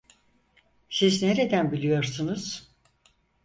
Siz nereden biliyorsunuz?